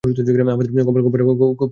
আমাদের কপাল খুব, খুব খারাপ ছিল।